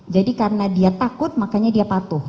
karena dia takut makanya dia patuh